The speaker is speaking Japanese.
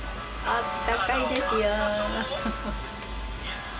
あったかいですよ。